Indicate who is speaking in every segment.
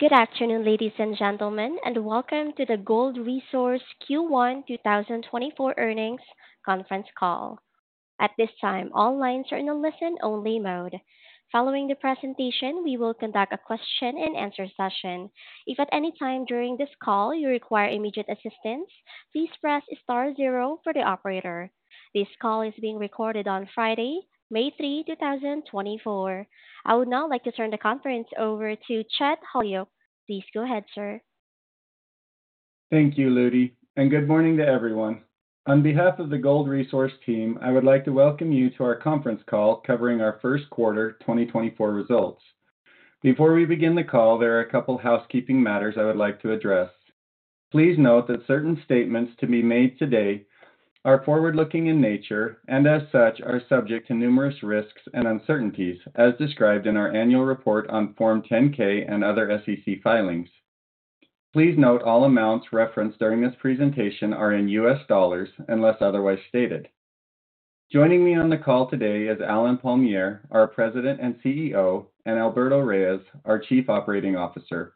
Speaker 1: Good afternoon, ladies and gentlemen, and welcome to the Gold Resource Q1 2024 earnings conference call. At this time, all lines are in a listen-only mode. Following the presentation, we will conduct a question-and-answer session. If at any time during this call you require immediate assistance, please press star zero for the operator. This call is being recorded on Friday, May 3, 2024. I would now like to turn the conference over to Chet Holyoak. Please go ahead, sir.
Speaker 2: Thank you, Ludy, and good morning to everyone. On behalf of the Gold Resource team, I would like to welcome you to our conference call covering our first quarter 2024 results. Before we begin the call, there are a couple of housekeeping matters I would like to address. Please note that certain statements to be made today are forward-looking in nature and, as such, are subject to numerous risks and uncertainties as described in our annual report on Form 10-K and other SEC filings. Please note all amounts referenced during this presentation are in U.S. dollars, unless otherwise stated. Joining me on the call today is Allen Palmiere, our President and CEO, and Alberto Reyes, our Chief Operating Officer.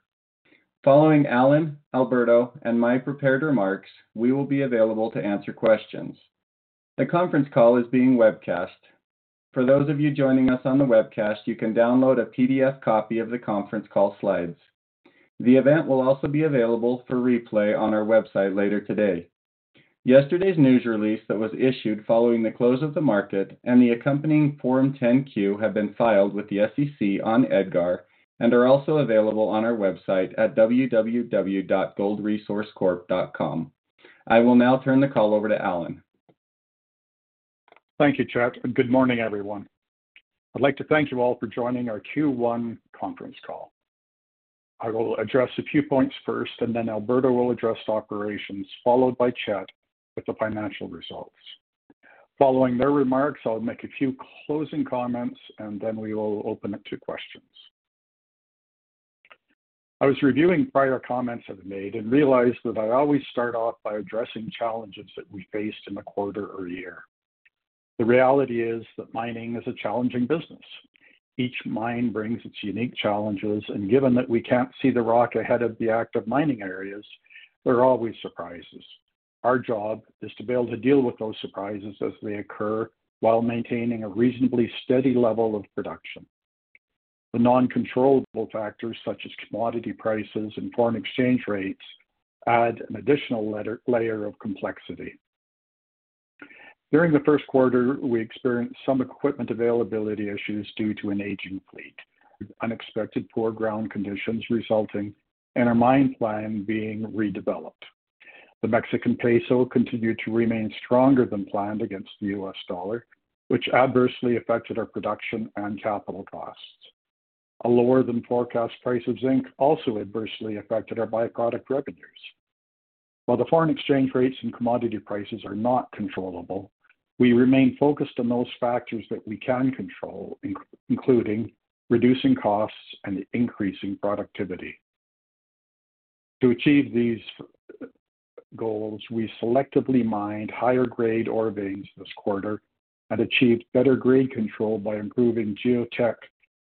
Speaker 2: Following Allen, Alberto, and my prepared remarks, we will be available to answer questions. The conference call is being webcast. For those of you joining us on the webcast, you can download a PDF copy of the conference call slides. The event will also be available for replay on our website later today. Yesterday's news release that was issued following the close of the market and the accompanying Form 10-Q have been filed with the SEC on EDGAR and are also available on our website at www.goldresourcecorp.com. I will now turn the call over to Allen.
Speaker 3: Thank you, Chet, and good morning, everyone. I'd like to thank you all for joining our Q1 conference call. I will address a few points first, and then Alberto will address operations, followed by Chet with the financial results. Following their remarks, I'll make a few closing comments, and then we will open it to questions. I was reviewing prior comments I've made and realized that I always start off by addressing challenges that we faced in the quarter or year. The reality is that mining is a challenging business. Each mine brings its unique challenges, and given that we can't see the rock ahead of the active mining areas, there are always surprises. Our job is to be able to deal with those surprises as they occur, while maintaining a reasonably steady level of production. The non-controllable factors, such as commodity prices and foreign exchange rates, add an additional layer of complexity. During the first quarter, we experienced some equipment availability issues due to an aging fleet, unexpected poor ground conditions resulting in our mine plan being redeveloped. The Mexican peso continued to remain stronger than planned against the US dollar, which adversely affected our production and capital costs. A lower-than-forecast price of zinc also adversely affected our by-product revenues. While the foreign exchange rates and commodity prices are not controllable, we remain focused on those factors that we can control, including reducing costs and increasing productivity. To achieve these goals, we selectively mined higher grade ore veins this quarter and achieved better grade control by improving geotech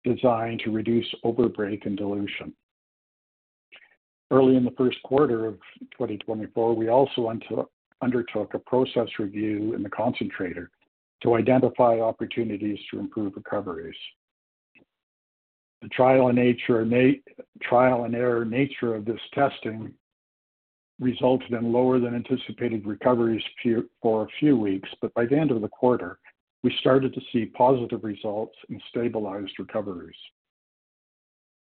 Speaker 3: design to reduce overbreak and dilution. Early in the first quarter of 2024, we also undertook a process review in the concentrator to identify opportunities to improve recoveries. The trial-and-error nature of this testing resulted in lower-than-anticipated recoveries for a few weeks, but by the end of the quarter, we started to see positive results and stabilized recoveries.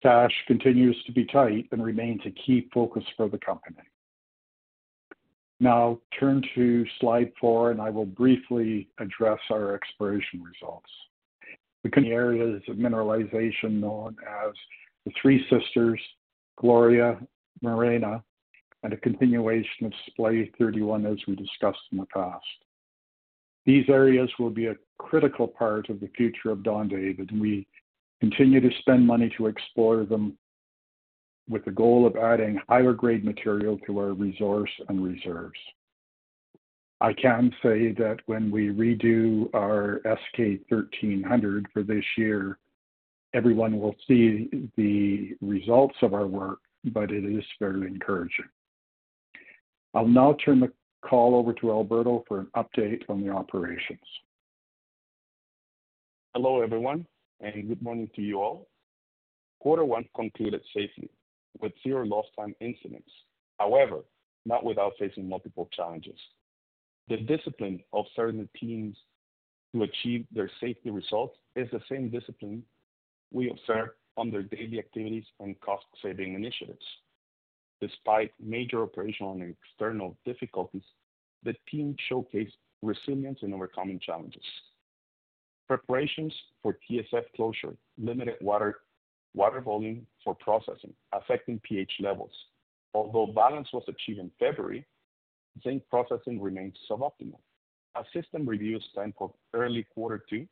Speaker 3: Cash continues to be tight and remains a key focus for the company. Now turn to slide 4, and I will briefly address our exploration results. The areas of mineralization known as the Three Sisters, Gloria, Marena, and a continuation of Splay 31, as we discussed in the past. These areas will be a critical part of the future of Don David, and we continue to spend money to explore them with the goal of adding higher grade material to our resource and reserves. I can say that when we redo our S-K 1300 for this year, everyone will see the results of our work, but it is very encouraging. I'll now turn the call over to Alberto for an update on the operations.
Speaker 4: Hello, everyone, and good morning to you all. Quarter one concluded safely with zero lost time incidents. However, not without facing multiple challenges. The discipline of certain teams to achieve their safety results is the same discipline we observe on their daily activities and cost-saving initiatives. Despite major operational and external difficulties, the team showcased resilience in overcoming challenges. Preparations for TSF closure, limited water, water volume for processing, affecting pH levels. Although balance was achieved in February, zinc processing remains suboptimal. A system review is planned for early quarter two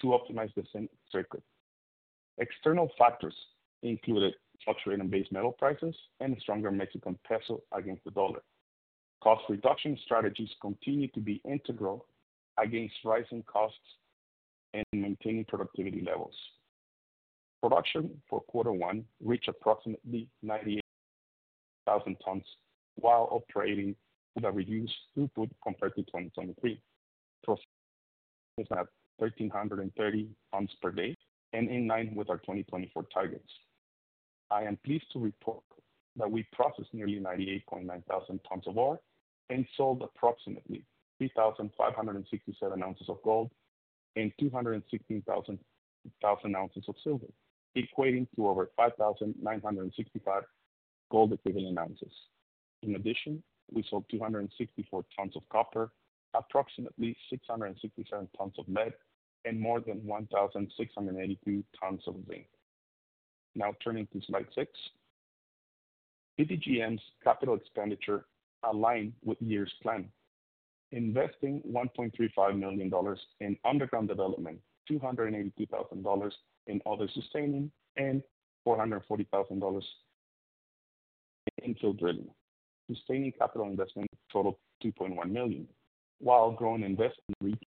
Speaker 4: to optimize the same circuit. External factors included fluctuating base metal prices and a stronger Mexican peso against the dollar. Cost reduction strategies continue to be integral against rising costs and maintaining productivity levels. Production for quarter one reached approximately 98,000 tons while operating with a reduced throughput compared to 2023. Processing is at 1,330 tons per day and in line with our 2024 targets. I am pleased to report that we processed nearly 98,900 tons of ore and sold approximately 3,567 ounces of gold and 216,000 ounces of silver, equating to over 5,965 gold equivalent ounces. In addition, we sold 264 tons of copper, approximately 667 tons of lead, and more than 1,682 tons of zinc. Now turning to slide 6. DDGM's capital expenditure aligned with year's plan, investing $1.35 million in underground development, $282,000 in other sustaining, and $440,000 in infill drilling. Sustaining capital investment totaled $2.1 million, while growing investment reached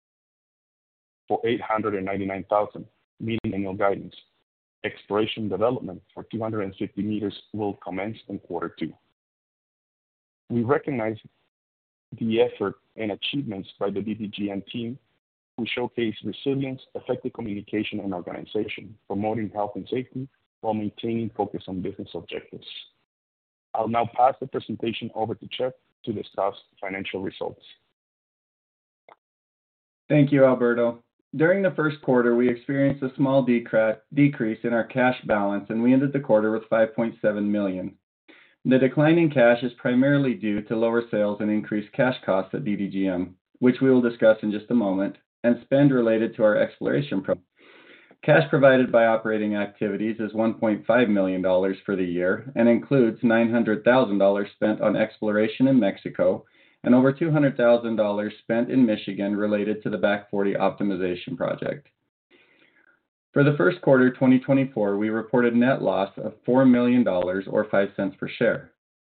Speaker 4: $489,000, meeting annual guidance. Exploration development for 250 meters will commence in quarter two. We recognize the effort and achievements by the DDGM team, who showcase resilience, effective communication, and organization, promoting health and safety while maintaining focus on business objectives. I'll now pass the presentation over to Chet to discuss financial results.
Speaker 2: Thank you, Alberto. During the first quarter, we experienced a small decrease in our cash balance, and we ended the quarter with $5.7 million. The decline in cash is primarily due to lower sales and increased cash costs at DDGM, which we will discuss in just a moment, and spend related to our exploration program. Cash provided by operating activities is $1.5 million for the year and includes $900,000 spent on exploration in Mexico and over $200,000 spent in Michigan related to the Back Forty optimization project. For the first quarter, 2024, we reported net loss of $4 million or $0.05 per share.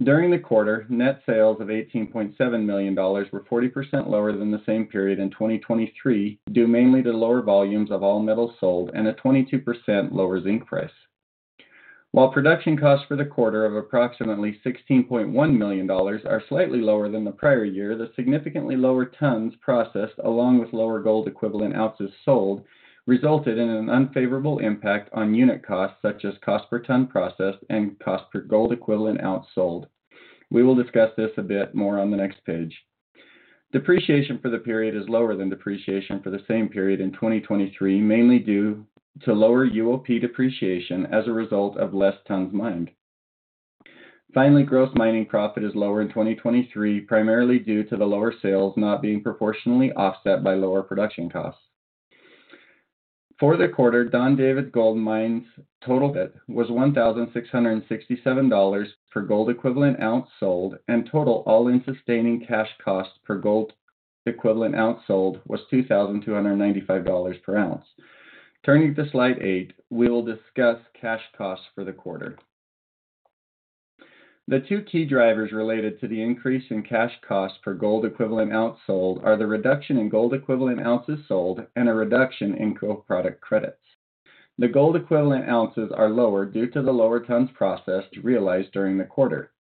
Speaker 2: During the quarter, net sales of $18.7 million were 40% lower than the same period in 2023, due mainly to lower volumes of all metals sold and a 22% lower zinc price. While production costs for the quarter of approximately $16.1 million are slightly lower than the prior year, the significantly lower tons processed, along with lower gold equivalent ounces sold, resulted in an unfavorable impact on unit costs, such as cost per ton processed and cost per gold equivalent ounce sold. We will discuss this a bit more on the next page. Depreciation for the period is lower than depreciation for the same period in 2023, mainly due to lower UOP depreciation as a result of less tons mined. Finally, gross mining profit is lower in 2023, primarily due to the lower sales not being proportionally offset by lower production costs. For the quarter, Don David Gold Mine's total cash costs was $1,667 per gold equivalent ounce sold, and total all-in sustaining cash costs per gold equivalent ounce sold was $2,295 per ounce. Turning to slide 8, we will discuss cash costs for the quarter. The two key drivers related to the increase in cash costs per gold equivalent ounce sold are the reduction in gold equivalent ounces sold and a reduction in co-product credits. The gold equivalent ounces are lower due to the lower tons processed realized during the quarter.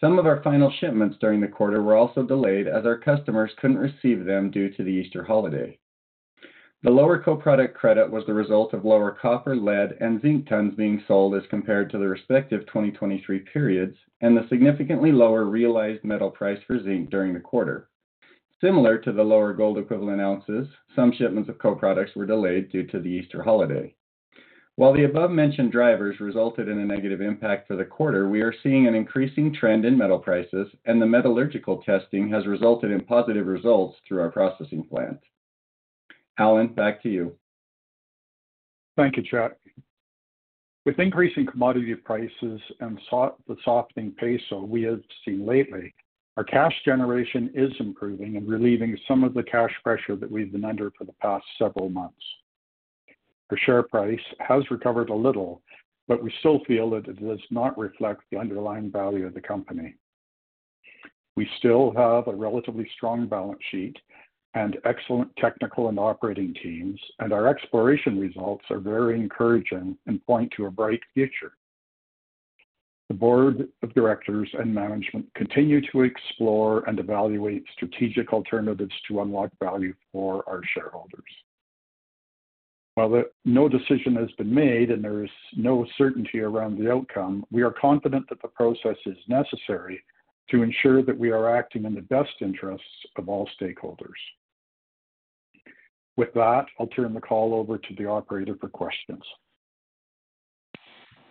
Speaker 2: Some of our final shipments during the quarter were also delayed, as our customers couldn't receive them due to the Easter holiday. The lower co-product credit was the result of lower copper, lead, and zinc tons being sold as compared to the respective 2023 periods, and the significantly lower realized metal price for zinc during the quarter. Similar to the lower gold equivalent ounces, some shipments of co-products were delayed due to the Easter holiday. While the above-mentioned drivers resulted in a negative impact to the quarter, we are seeing an increasing trend in metal prices, and the metallurgical testing has resulted in positive results through our processing plant. Allen, back to you.
Speaker 3: Thank you, Chet. With increasing commodity prices and the softening peso we have seen lately, our cash generation is improving and relieving some of the cash pressure that we've been under for the past several months. The share price has recovered a little, but we still feel that it does not reflect the underlying value of the company. We still have a relatively strong balance sheet and excellent technical and operating teams, and our exploration results are very encouraging and point to a bright future. The board of directors and management continue to explore and evaluate strategic alternatives to unlock value for our shareholders. While no decision has been made and there is no certainty around the outcome, we are confident that the process is necessary to ensure that we are acting in the best interests of all stakeholders. With that, I'll turn the call over to the operator for questions.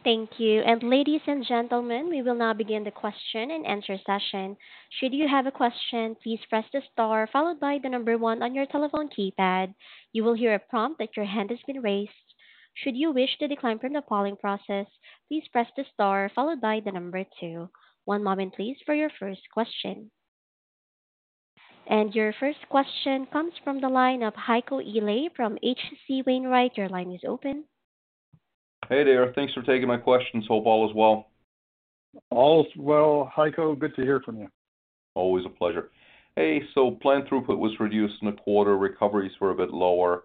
Speaker 1: Thank you. Ladies and gentlemen, we will now begin the question and answer session. Should you have a question, please press the star followed by 1 on your telephone keypad. You will hear a prompt that your hand has been raised. Should you wish to decline from the polling process, please press the star followed by 2. One moment, please, for your first question. Your first question comes from the line of Heiko Ihle from HC Wainwright. Your line is open.
Speaker 5: Hey there. Thanks for taking my questions. Hope all is well.
Speaker 3: All is well, Heiko. Good to hear from you.
Speaker 5: Always a pleasure. Hey, so plant throughput was reduced in the quarter. Recoveries were a bit lower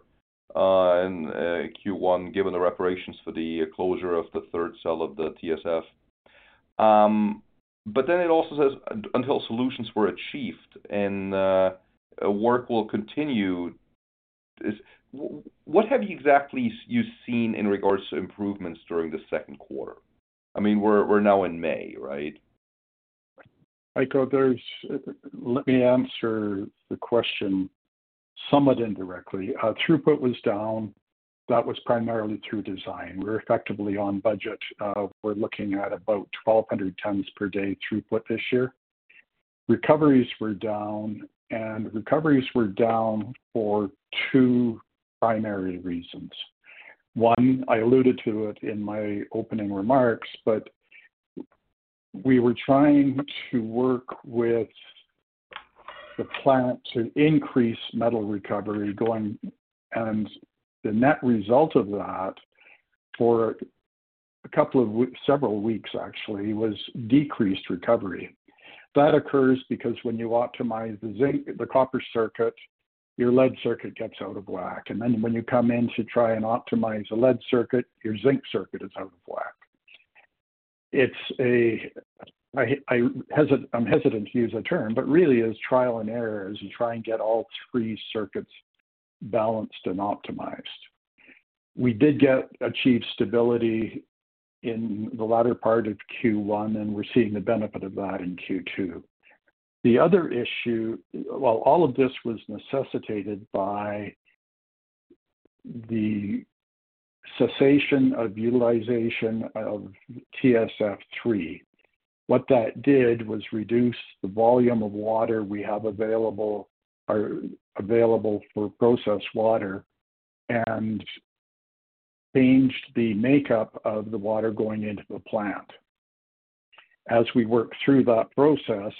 Speaker 5: in Q1, given the preparations for the closure of the third cell of the TSF. But then it also says, until solutions were achieved and work will continue. What have you exactly seen in regards to improvements during the second quarter? I mean, we're now in May, right?
Speaker 3: Heiko, let me answer the question somewhat indirectly. Throughput was down. That was primarily through design. We're effectively on budget. We're looking at about 1,200 tons per day throughput this year. Recoveries were down, and recoveries were down for two primary reasons. One, I alluded to it in my opening remarks, but we were trying to work with the plant to increase metal recovery going, and the net result of that for a couple of weeks, several weeks actually, was decreased recovery. That occurs because when you optimize the zinc, the copper circuit, your lead circuit gets out of whack, and then when you come in to try and optimize the lead circuit, your zinc circuit is out of whack. I'm hesitant to use the term, but really is trial and error as you try and get all three circuits balanced and optimized. We did achieve stability in the latter part of Q1, and we're seeing the benefit of that in Q2. The other issue, well, all of this was necessitated by the cessation of utilization of TSF 3. What that did was reduce the volume of water we have available, or available for process water and changed the makeup of the water going into the plant. As we work through that process,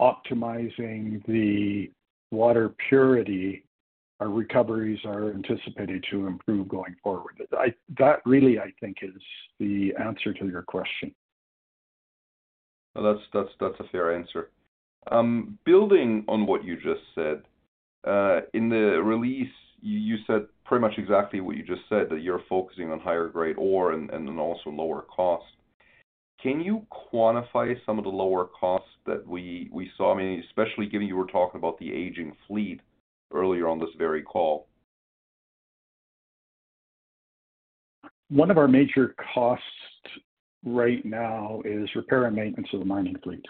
Speaker 3: optimizing the water purity, our recoveries are anticipated to improve going forward. That really, I think, is the answer to your question.
Speaker 5: That's a fair answer. Building on what you just said, in the release, you said pretty much exactly what you just said, that you're focusing on higher grade ore and then also lower cost. Can you quantify some of the lower costs that we saw? I mean, especially given you were talking about the aging fleet earlier on this very call.
Speaker 3: One of our major costs right now is repair and maintenance of the mining fleet.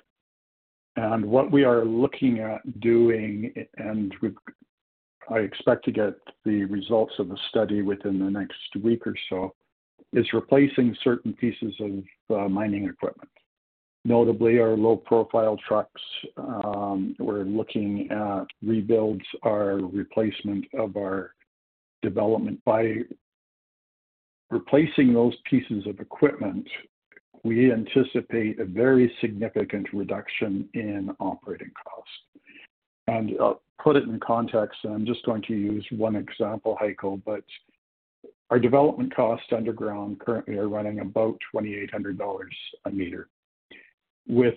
Speaker 3: What we are looking at doing, and we, I expect to get the results of a study within the next week or so, is replacing certain pieces of mining equipment, notably our low-profile trucks. We're looking at rebuilds or replacement of our development. By replacing those pieces of equipment, we anticipate a very significant reduction in operating costs. I'll put it in context, and I'm just going to use one example, Heiko, but our development costs underground currently are running about $2,800 a meter. With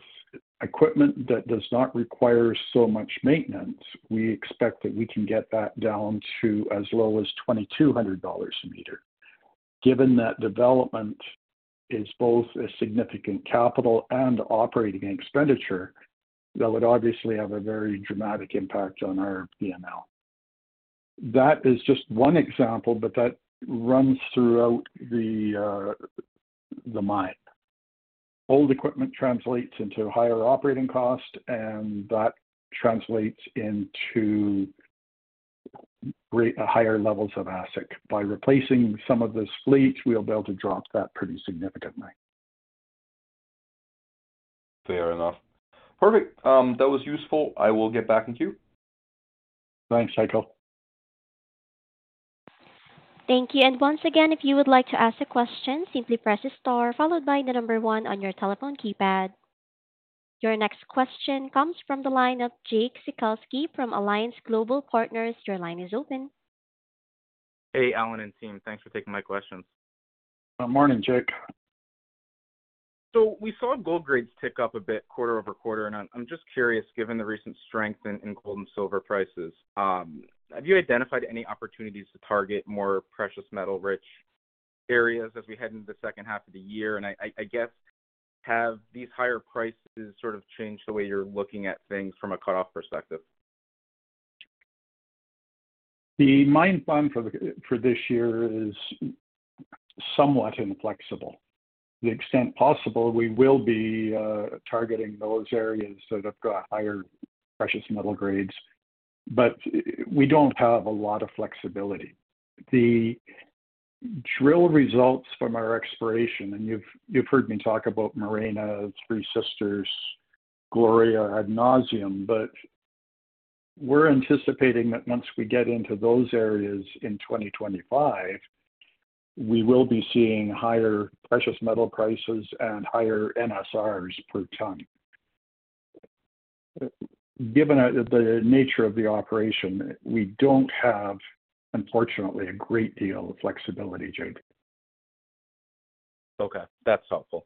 Speaker 3: equipment that does not require so much maintenance, we expect that we can get that down to as low as $2,200 a meter. Given that development is both a significant capital and operating expenditure, that would obviously have a very dramatic impact on our P&L. That is just one example, but that runs throughout the, the mine. Old equipment translates into higher operating costs, and that translates into great, higher levels of asset. By replacing some of this fleet, we'll be able to drop that pretty significantly.
Speaker 5: Fair enough. Perfect. That was useful. I will get back in queue.
Speaker 3: Thanks, Heiko.
Speaker 1: Thank you. Once again, if you would like to ask a question, simply press Star, followed by the number one on your telephone keypad. Your next question comes from the line of Jake Sekelsky from Alliance Global Partners. Your line is open.
Speaker 6: Hey, Allen and team. Thanks for taking my questions.
Speaker 3: Morning, Jake.
Speaker 6: So we saw gold grades tick up a bit quarter-over-quarter, and I'm just curious, given the recent strength in gold and silver prices, have you identified any opportunities to target more precious metal-rich areas as we head into the second half of the year? And I guess, have these higher prices sort of changed the way you're looking at things from a cut-off perspective?
Speaker 3: The mine plan for the, for this year is somewhat inflexible. To the extent possible, we will be targeting those areas that have got higher precious metal grades, but we don't have a lot of flexibility. The drill results from our exploration, and you've, you've heard me talk about Marena, Three Sisters, Gloria, ad nauseam, but we're anticipating that once we get into those areas in 2025... we will be seeing higher precious metal prices and higher NSRs per ton. Given the, the nature of the operation, we don't have, unfortunately, a great deal of flexibility, Jake.
Speaker 6: Okay, that's helpful.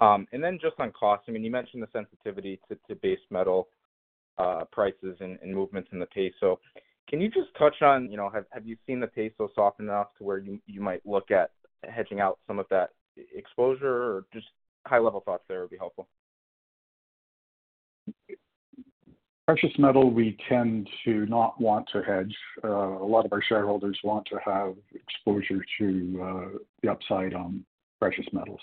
Speaker 6: And then just on cost, I mean, you mentioned the sensitivity to base metal prices and movements in the peso. Can you just touch on, you know, have you seen the peso soften enough to where you might look at hedging out some of that exposure, or just high-level thoughts there would be helpful?
Speaker 3: Precious metal, we tend to not want to hedge. A lot of our shareholders want to have exposure to the upside on precious metals.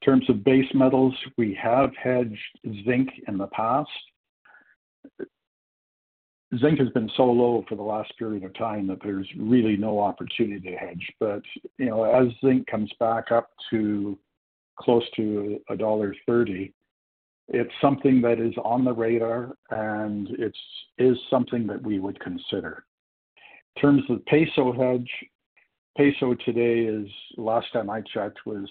Speaker 3: In terms of base metals, we have hedged zinc in the past. Zinc has been so low for the last period of time that there's really no opportunity to hedge. But, you know, as zinc comes back up to close to $1.30, it's something that is on the radar, and it's something that we would consider. In terms of peso hedge, peso today is, last time I checked, was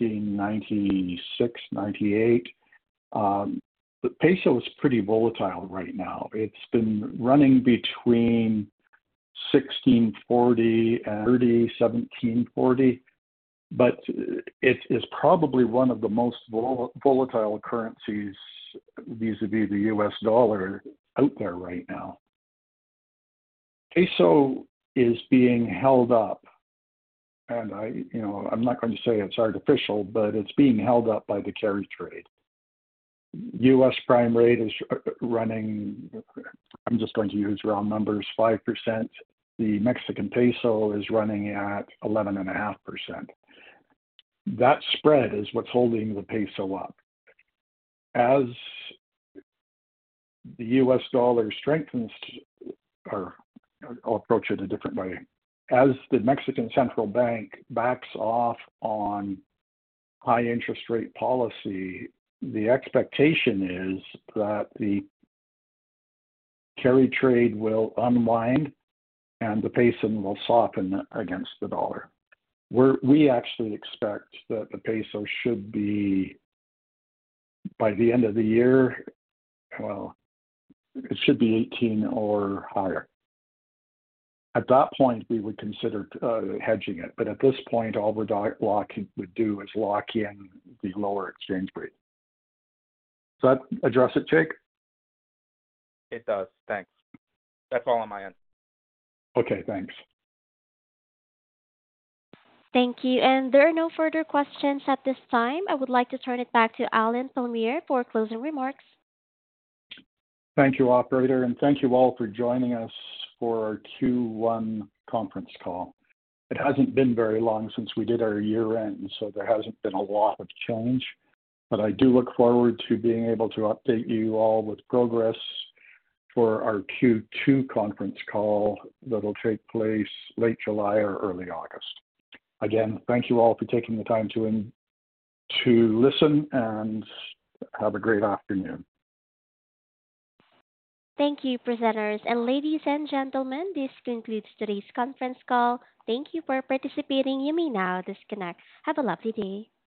Speaker 3: 16.96-16.98. The peso is pretty volatile right now. It's been running between 16.40 and 17.30, 17.40, but it is probably one of the most volatile currencies, vis-à-vis the US dollar, out there right now. Peso is being held up, and I, you know, I'm not going to say it's artificial, but it's being held up by the carry trade. U.S. prime rate is running, I'm just going to use round numbers, 5%. The Mexican peso is running at 11.5%. That spread is what's holding the peso up. As the U.S. dollar strengthens, or I'll approach it a different way, as the Mexican central bank backs off on high interest rate policy, the expectation is that the carry trade will unwind and the peso will soften against the dollar. We actually expect that the peso should be, by the end of the year, well, it should be 18 or higher. At that point, we would consider hedging it, but at this point, all we're locking would do is lock in the lower exchange rate. Does that address it, Jake?
Speaker 6: It does. Thanks. That's all on my end.
Speaker 3: Okay, thanks.
Speaker 1: Thank you. There are no further questions at this time. I would like to turn it back to Allen Palmiere for closing remarks.
Speaker 3: Thank you, operator, and thank you all for joining us for our Q1 conference call. It hasn't been very long since we did our year-end, so there hasn't been a lot of change. But I do look forward to being able to update you all with progress for our Q2 conference call that'll take place late July or early August. Again, thank you all for taking the time to listen, and have a great afternoon.
Speaker 1: Thank you, presenters. Ladies and gentlemen, this concludes today's conference call. Thank you for participating. You may now disconnect. Have a lovely day.